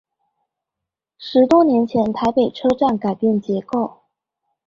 十多年前台北車站改變結構